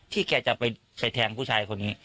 แกจะไปแทงผู้ชายคนนี้